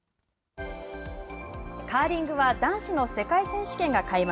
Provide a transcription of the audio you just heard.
カーリングは男子の世界選手権が開幕。